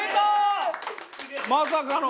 まさかの。